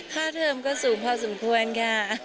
เทอมก็สูงพอสมควรค่ะ